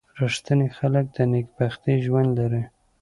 • رښتیني خلک د نېکبختۍ ژوند لري.